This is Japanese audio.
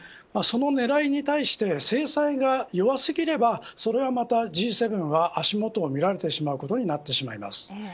その狙いに対して制裁が弱すぎればそれはまた、Ｇ７は足元を見られてしまうことになってしまいます。